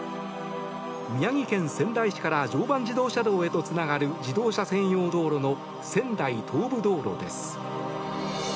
宮城県仙台市から常磐自動車道へとつながる自動車専用道路の仙台東部道路です。